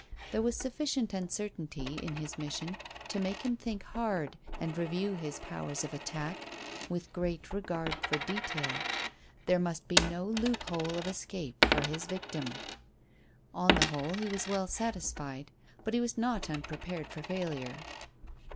There was sufficient uncertainty in his mission to make him think hard and review his powers of attack with great regard for detail. There must be no loophole of escape for his victim. On the whole he was well satisfied. But he was not unprepared for failure.